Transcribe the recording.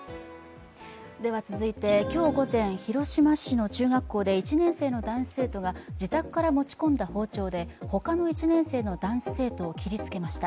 続いて、今日午前、広島市の中学校で１年生の男子生徒が自宅から持ち込んだ包丁でほかの中学１年生の男子生徒を切りつけました。